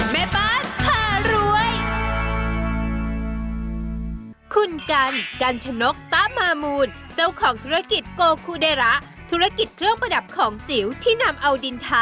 แม่ป้านพระจันทร์บ้าน